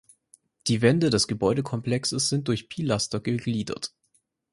Die Wände des Gebäudekomplexes sind durch Pilaster gegliedert.